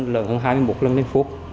lớn hơn hai mươi một lần lên phút